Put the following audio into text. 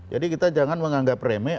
jadi kita jangan menganggap remeh